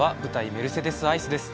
『メルセデス・アイス』です。